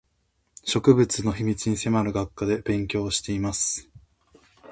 植物の秘密に迫る学科で勉強をしています